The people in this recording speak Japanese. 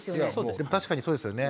確かにそうですよね。